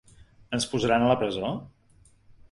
Ens posaran a la presó?